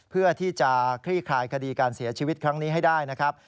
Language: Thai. เพื่อที่จะคลี่คลายคดีการเสียชีวิตครั้งนี้ให้ได้นะครับ